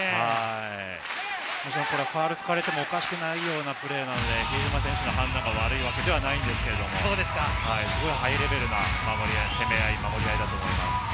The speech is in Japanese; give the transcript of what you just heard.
ファウル吹かれてもおかしくないようなプレーなので、比江島選手の判断が悪いわけではないんですけれども、すごくハイレベルな守り合い、攻め合いだと思います。